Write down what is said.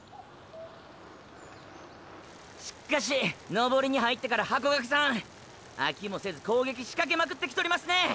しっかし登りに入ってからハコガクサンあきもせず攻撃しかけまくってきとりますね！！